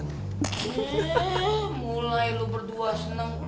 mulai lu berdua seneng